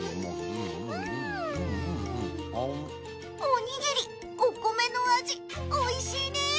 おにぎりお米の味おいしいね！